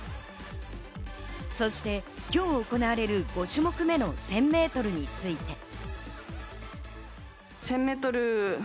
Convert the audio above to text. そして今日行われる５種目目の１０００メートルについて。